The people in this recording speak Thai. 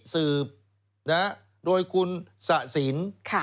สืบโดยคุณสะสิน